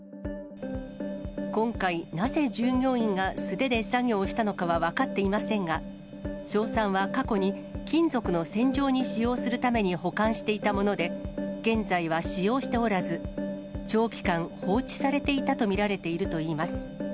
今回、なぜ従業員が素手で作業したのかは分かっていませんが、硝酸は過去に金属の洗浄に使用するために保管していたもので、現在は使用しておらず、長期間放置されていたと見られているといいます。